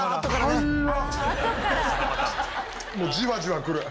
もうじわじわくる。